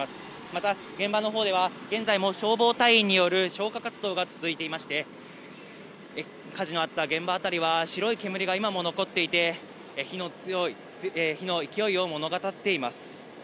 また、現場のほうでは現在も消防隊員による消火活動が続いていまして、火事のあった現場辺りは白い煙が今も残っていて、火の勢いを物語っています。